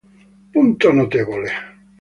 Punto notevole